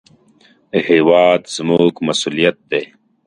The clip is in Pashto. هېواد زموږ مسوولیت دی